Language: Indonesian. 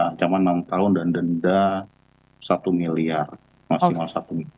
ancaman enam tahun dan denda satu miliar maksimal satu miliar